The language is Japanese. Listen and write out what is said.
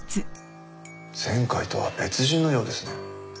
前回とは別人のようですね。